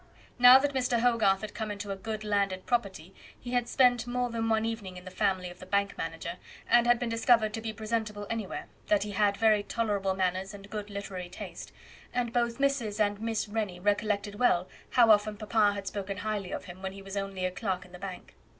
Now that Mr. Hogarth had come into a good landed property, he had spent more than one evening in the family of the bank manager, and had been discovered to be presentable anywhere; that he had very tolerable manners and good literary taste; and both Mrs. and Miss Rennie recollected well how often papa had spoken highly of him when he was only a clerk in the bank.